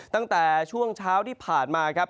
ตั้งแต่ช่วงเช้าที่ผ่านมาครับ